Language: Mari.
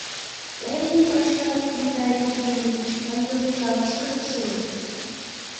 Тыйын пашат, Виталий Климович, ынде мучашышкыже шуын.